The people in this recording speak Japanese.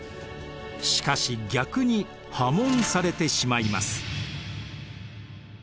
しかし逆に破門されてしまいます。